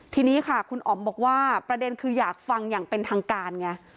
ทีนี้ค่ะคุณอ๋อมบอกว่าประเด็นคืออยากฟังอย่างเป็นทางการไง